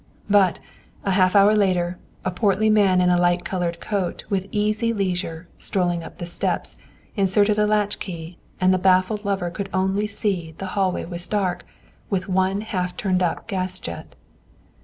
But, a half hour later, a portly man, in a light colored coat, with easy leisure, strolling up the steps, inserted a latch key, and the baffled lover could only see that the hallway was dark, with one half turned up gas jet.